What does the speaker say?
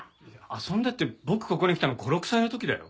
遊んでって僕ここに来たの５６歳の時だよ。